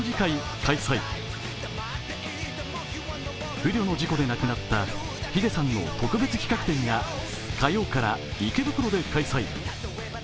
不慮の事故で亡くなったｈｉｄｅさんの特別企画展が火曜から池袋で開催。